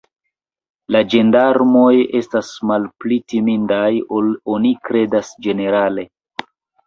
La ĝendarmoj estas malpli timindaj, ol oni kredas ĝenerale.